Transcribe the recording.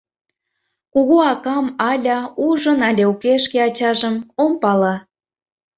Кугу акам, Аля, ужын але уке шке ачажым — ом пале.